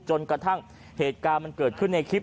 จนกระทั่งเหตุการณ์มันเกิดขึ้นในคลิป